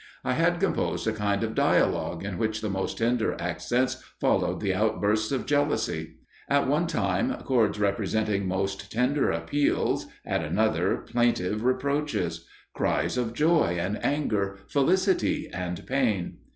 I had composed a kind of dialogue, in which the most tender accents followed the outbursts of jealousy. At one time, chords representing most tender appeals, at another, plaintive reproaches; cries of joy and anger, felicity and pain.